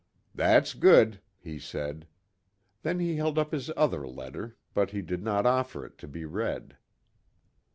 "That's good," he said. Then he held up his other letter, but he did not offer it to be read.